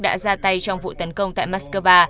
đã ra tay trong vụ tấn công tại moscow